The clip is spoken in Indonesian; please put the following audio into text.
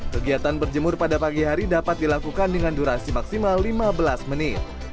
kegiatan berjemur pada pagi hari dapat dilakukan dengan durasi maksimal lima belas menit